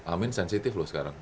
amin sensitif loh sekarang